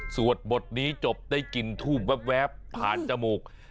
สวดบทนี้จบได้กลิ่นทูบแว๊บผ่านจมูก